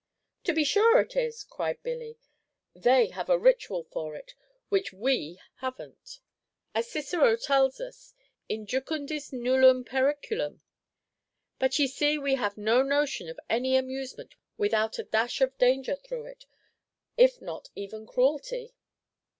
"To be sure it is," cried Billy; "they have a ritual for it which we have n't; as Cicero tells us, 'In jucundis nullum periculum.' But ye see we have no notion of any amusement without a dash of danger through it, if not even cruelty!"